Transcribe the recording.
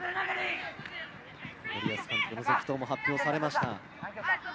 森保監督の続投も発表されました。